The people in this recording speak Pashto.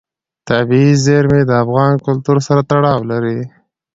طبیعي زیرمې د افغان کلتور سره تړاو لري.